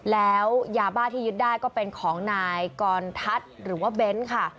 แล้วยาบ้าที่ยึดได้ก็เป็นของนายกรทัศน์หรือว่าเบ้นค่ะ